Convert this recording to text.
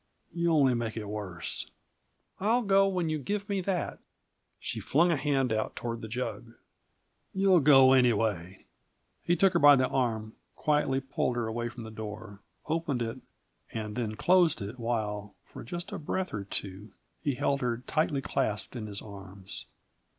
You only make it worse." "I'll go when you give me that." She flung a hand out toward the jug. "You'll go anyway!" He took her by the arm, quietly pulled her away from the door, opened it, and then closed it while, for just a breath or two, he held her tightly clasped in his arms.